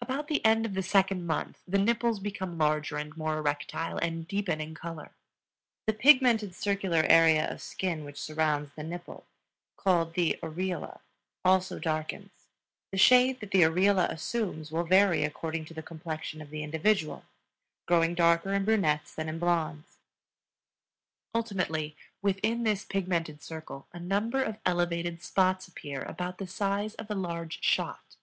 About the end of the second month the nipples become larger and more erectile, and deepen in color. The pigmented, circular area of skin which surrounds the nipple, called the areola, also darkens. The shade that the areola assumes will vary according to the complexion of the individual, growing darker in brunettes than in blondes. Ultimately, within this pigmented circle a number of elevated spots appear about the size of a large shot.